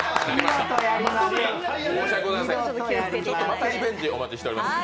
またリベンジお待ちしております。